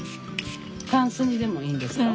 タンスにでもいいんですか？